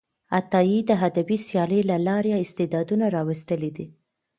عطایي د ادبي سیالۍ له لارې استعدادونه راویستلي دي.